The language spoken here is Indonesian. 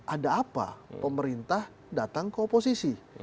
ada apa pemerintah datang ke oposisi